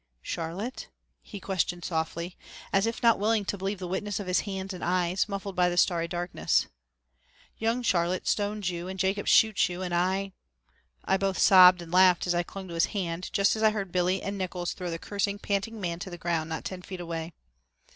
"Charlotte?" he questioned softly, as if not willing to believe the witness of his hands and eyes, muffled by the starry darkness. "Young Charlotte stones you and Jacob shoots you, and I " I both sobbed and laughed as I clung to his hand just as I heard Billy and Nickols throw the cursing, panting man to the ground not ten feet away.